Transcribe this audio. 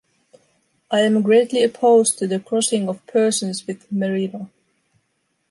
I am greatly opposed to the crossing of Persians with merino.